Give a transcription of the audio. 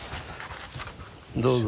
どうぞ。